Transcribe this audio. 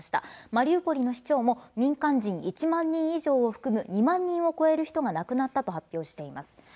マリウポリの市長も民間人１万人以上を含む２万人を超える人が亡くなったと発表しています。